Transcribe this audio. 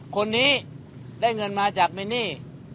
คนนี้ได้เงินมาจากเมนี่